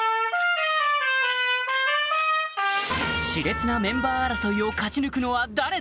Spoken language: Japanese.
熾烈なメンバー争いを勝ち抜くのは誰だ？